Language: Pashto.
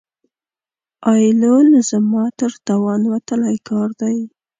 ایېلول زما تر توان وتلی کار دی.